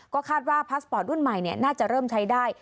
ก็คาดว่าพาสปอร์ตรุ่นใหม่น่าจะเริ่มใช้ได้